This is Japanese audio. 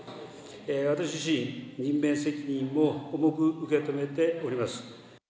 私自身、任命責任を重く受け止めております。